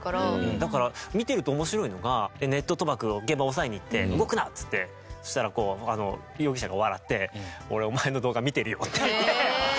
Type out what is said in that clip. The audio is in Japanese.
だから見てると面白いのがネット賭博の現場を押さえに行って「動くな！」っつって。そしたら容疑者が笑って「俺お前の動画見てるよ」って言って。